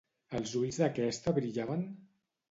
Els ulls d'aquesta brillaven?